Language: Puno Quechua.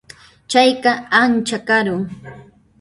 Chayqa ancha karun.